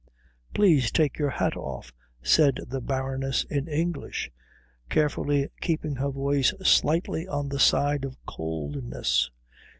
"Please take your hat off," said the Baroness in English, carefully keeping her voice slightly on the side of coldness.